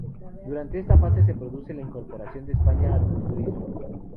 Durante esta fase se produce la incorporación de España al culturismo.